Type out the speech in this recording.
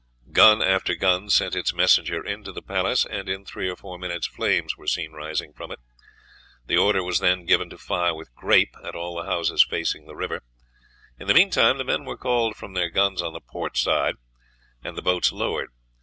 Gun after gun sent its messenger into the palace, and in three or four minutes flames were seen rising from it. The order was then given to fire with grape at all the houses facing the water. In the meantime the men were called from their guns on the port side, and the boats lowered.